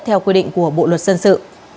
theo quy định của bộ luật dân sự